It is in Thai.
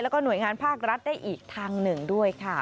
แล้วก็หน่วยงานภาครัฐได้อีกทางหนึ่งด้วยค่ะ